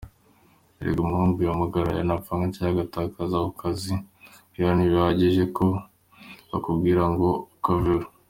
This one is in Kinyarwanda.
Erega umuhungu yamugara, yanapfa cg agataza ako kazi, rero ntibihagije ko akubwira ngo ukaveho.